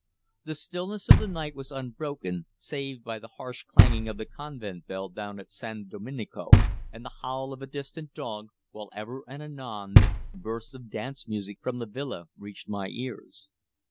The stillness of the night was unbroken, save by the harsh clanging of the convent bell down at San Domenico, and the howl of a distant dog, while ever and anon bursts of dance music from the villa reached my ears.